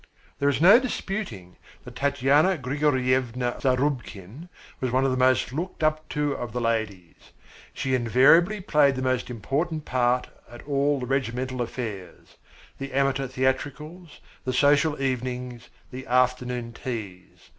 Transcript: There is no disputing that Tatyana Grigoryevna Zarubkin was one of the most looked up to of the ladies. She invariably played the most important part at all the regimental affairs the amateur theatricals, the social evenings, the afternoon teas.